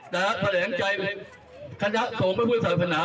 และแสลงใจคณะโทษไม่พูดศาสนา